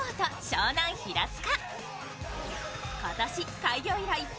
湘南平塚。